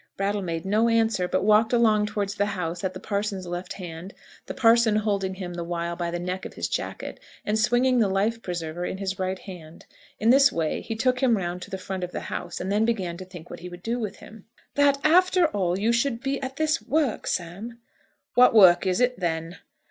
Brattle made no answer, but walked along towards the house at the parson's left hand, the parson holding him the while by the neck of his jacket, and swinging the life preserver in his right hand. In this way he took him round to the front of the house, and then began to think what he would do with him. "That, after all, you should be at this work, Sam!" "What work is it, then?"